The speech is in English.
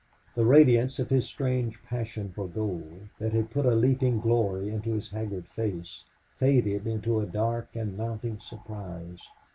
The radiance of his strange passion for gold, that had put a leaping glory into his haggard face, faded into a dark and mounting surprise.